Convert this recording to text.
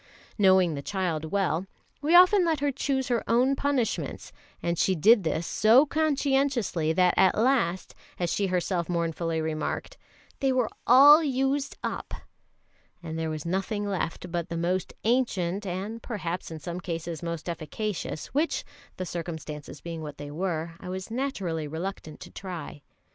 Knowing the child well, we often let her choose her own punishments; and she did this so conscientiously that at last, as she herself mournfully remarked, "they were all used up," and there was nothing left but the most ancient and perhaps in some cases most efficacious, which, the circumstances being what they were, I was naturally reluctant to try.